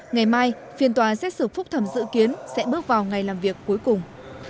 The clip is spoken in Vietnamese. ngày mai phiên tòa xét xử phúc thẩm dự kiến sẽ bước vào ngày làm việc cuối cùng